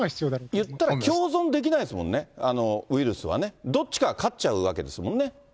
いったら共存できないですもんね、ウイルスはね、どっちか勝っちゃうわけですものね。